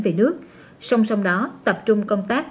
về nước song song đó tập trung công tác